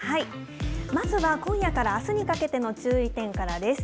まずは今夜からあすにかけての注意点からです。